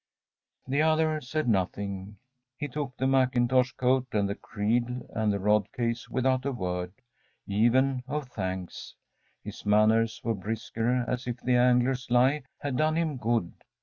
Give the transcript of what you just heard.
‚ÄĚ The other said nothing. He took the mackintosh coat and the creel and the rod case without a word even of thanks. His manners were brisker, as if the angler's lie had done him good.